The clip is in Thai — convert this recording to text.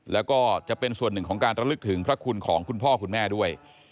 แล้วก็จะเป็นส่วนหนึ่งของการระลึกถึงพระคุณของคุณพ่อคุณแม่ด้วย